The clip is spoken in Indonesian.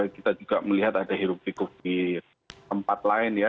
kita juga melihat ada hirup pikuk di tempat lain ya